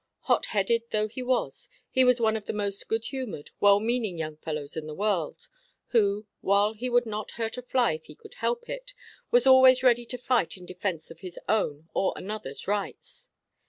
Hot headed though he was, he was one of the most good humoured, well meaning young fellows in the world, who, while he would not hurt a fly if he could help it, was always ready to fight in defence of his own or another's rights.